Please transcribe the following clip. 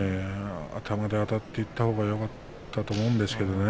頭であたっていったほうがいいと思うんですけどね。